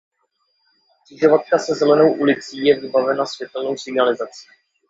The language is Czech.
Křižovatka se Zelenou ulicí je vybavena světelnou signalizací.